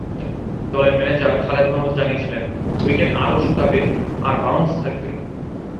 দলের ম্যানেজার খালেদ মাহমুদ জানিয়েছিলেন, উইকেট আরও শুকাবে আর বাউন্স থাকবে।